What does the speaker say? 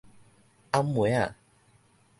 泔糜仔